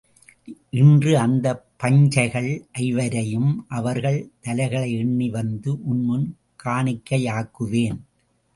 இன்று அந்தப் பஞ்சைகள் ஐவரையும் அவர்கள் தலைகளை எண்ணி வந்து உன் முன் காணிக்கையாக்குவேன்.